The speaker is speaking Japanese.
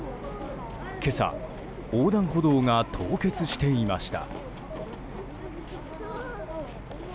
今朝、横断歩道が凍結していました。